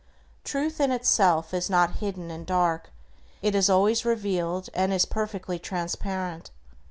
Truth in itself is not hidden and dark. It is always revealed and is perfectly transparent.